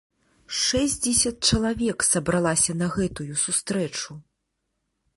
Шэсцьдзесят чалавек сабралася на гэтую сустрэчу!